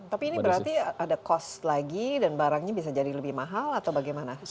tapi ini berarti ada cost lagi dan barangnya bisa jadi lebih mahal atau bagaimana